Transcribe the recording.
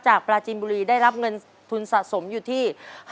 ปราจีนบุรีได้รับเงินทุนสะสมอยู่ที่